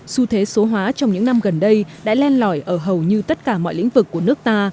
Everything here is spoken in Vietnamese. xu thế số hóa trong những năm gần đây đã len lỏi ở hầu như tất cả mọi lĩnh vực của nước ta